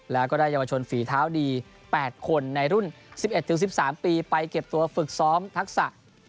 แล้วก็ได้เยาวชนฝีเท้าดี๘คนในรุ่น๑๑๑๑๓ปีไปเก็บตัวฝึกซ้อมทักษะ